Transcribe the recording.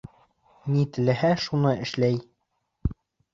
Ни теләһә, шуны эшләй...